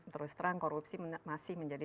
terus terang korupsi masih menjadi